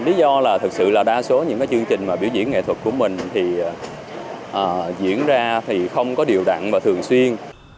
lý do là thực sự là đa số những chương trình biểu diễn nghệ thuật của mình thì diễn ra thì không có điều đẳng và thường xuyên